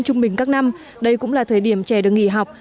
trung bình các năm đây cũng là thời điểm trẻ được nghỉ học